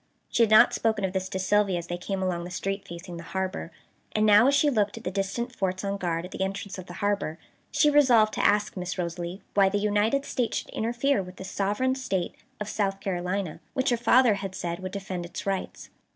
She had not spoken of this to Sylvia as they came along the street facing the harbor, and now as she looked at the distant forts on guard at the entrance of the harbor, she resolved to ask Miss Rosalie why the United States should interfere with the "Sovereign State of South Carolina," which her father had said would defend its rights.